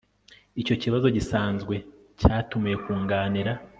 Icyo kibazo gisanzwe cyatumiwe kuganira